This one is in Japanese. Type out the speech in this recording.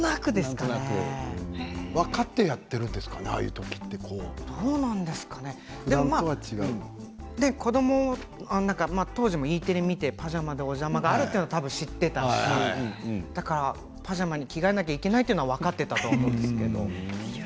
分かって当時もＥテレを見て「パジャマでおじゃま」があるって知っていたしパジャマに着替えなきゃいけないということは分かっていたと思うんですけど。